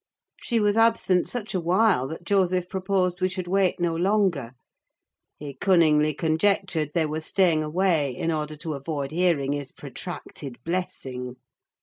She was absent such a while that Joseph proposed we should wait no longer. He cunningly conjectured they were staying away in order to avoid hearing his protracted blessing.